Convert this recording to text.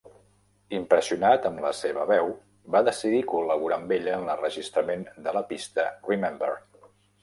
Impressionat amb la seva veu, va decidir col·laborar amb ella en l'enregistrament de la pista Remember.